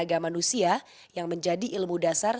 ini adalah tenaga manusia yang menjadi ilmu dasar